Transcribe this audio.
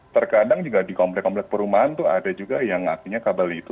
terkadang juga di komplek komplek perumahan itu ada juga yang artinya kabel itu